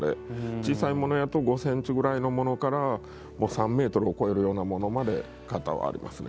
小さいものやと５センチぐらいのものから３メートルを超えるようなものまで型はありますね。